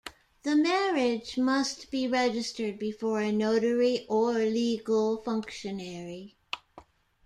The marriage must be registered before a notary or legal functionary.